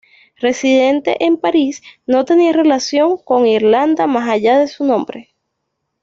Residente en París, no tenía relación con Irlanda más allá de su nombre.